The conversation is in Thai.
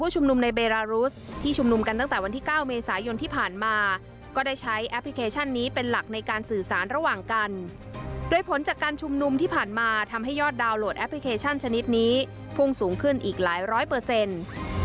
ชนิดนี้พุ่งสูงขึ้นอีกหลายร้อยเปอร์เซ็นต์